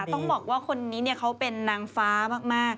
ต้องบอกว่าคนนี้เขาเป็นนางฟ้ามาก